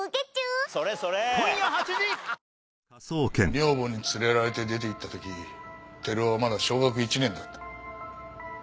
女房に連れられて出て行った時照夫はまだ小学１年だった。